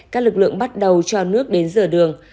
các lực lượng bắt đầu cho nước đến rửa đường